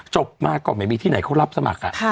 จบมาก็ไม่มีที่ไหนเขารับสมัคร